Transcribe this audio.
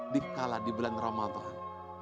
dikala di bulan ramadhan